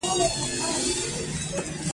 که فرصتونو ته د منصفانه لاسرسي زمینه نه وي.